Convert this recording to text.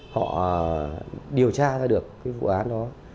họ điều tra ra được cái vụ án đó